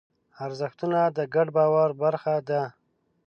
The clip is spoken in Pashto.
ارزښتونه د ګډ باور برخه ده.